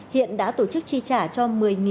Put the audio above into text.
hiện đã tổ chức chi trả cho